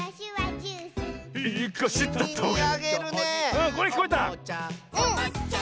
うんこれきこえた！